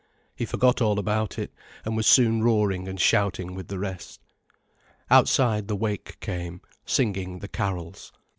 He forgot all about it, and was soon roaring and shouting with the rest. Outside the wake came, singing the carols.